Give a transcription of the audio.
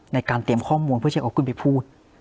ในการเตรียมข้อมูลเพื่อจะเอาขึ้นไปพูด